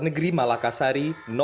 negeri malakasari lima